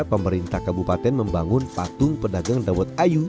pemerintah kabupaten membangun patung pedagang dawet ayu